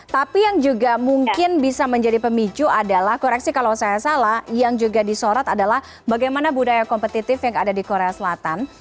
tapi yang juga mungkin bisa menjadi pemicu adalah koreksi kalau saya salah yang juga disorot adalah bagaimana budaya kompetitif yang ada di korea selatan